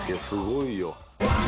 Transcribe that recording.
「すごいよ」